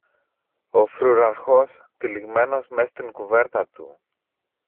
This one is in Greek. ο φρούραρχος, τυλιγμένος μες στην κουβέρτα του